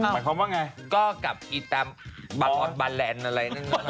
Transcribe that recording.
หมายความว่าไงก็กับอีตาบันออนบานแลนด์อะไรนึง